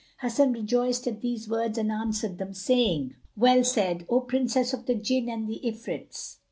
Hasan rejoiced at these words and answered them, saying, "Well said, O Princes of the Jinn and the Ifrits!